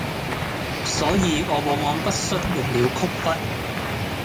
所以我往往不恤用了曲筆，